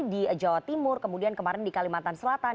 di jawa timur kemudian kemarin di kalimantan selatan